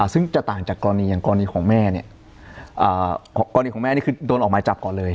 ซึ่งจะตามกรณีของแม่กรณีของแม่เนี่ยคือโดนออกมาจับก่อนเลย